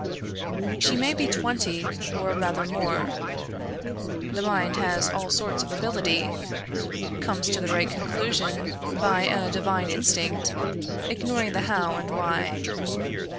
"She may be twenty or rather more. The mind has all sorts of ability; comes to the right conclusion by a divine instinct, ignoring the how and why.